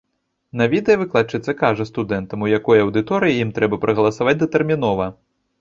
На відэа выкладчыца кажа студэнтам, у якой аўдыторыі ім трэба прагаласаваць датэрмінова.